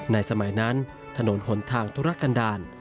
สมัยนั้นถนนหนทางธุรกันดาล